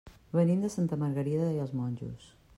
Venim de Santa Margarida i els Monjos.